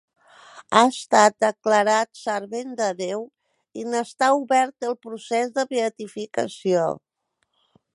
Ha estat declarat servent de Déu i n'està obert el procés de beatificació.